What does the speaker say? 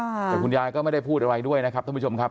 แต่คุณยายก็ไม่ได้พูดอะไรด้วยนะครับท่านผู้ชมครับ